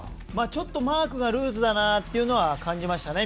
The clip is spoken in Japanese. ちょっとマークがルーズだなというのは感じましたね。